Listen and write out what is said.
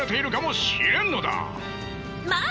まあ！